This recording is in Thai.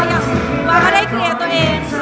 อยากว่าได้เคลียร์ตัวเอง